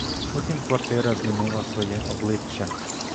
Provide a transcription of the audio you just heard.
Потім квартира змінила своє обличчя.